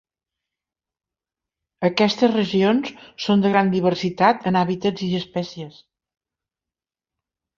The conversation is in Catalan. Aquestes regions són de gran diversitat en hàbitats i espècies.